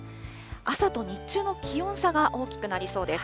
朝と日中の気温差が大きくなりそうです。